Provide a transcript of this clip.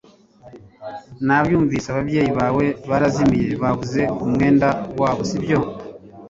Nabyumvise. Ababyeyi bawe barazimiye, babuze umwenda wabo sibyo?